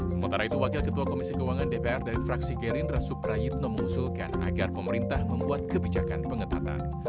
sementara itu wakil ketua komisi keuangan dpr dari fraksi gerindra suprayitno mengusulkan agar pemerintah membuat kebijakan pengetatan